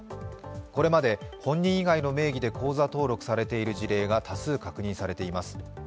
これまで本人以外の名義で口座登録されている事例が多数確認されています。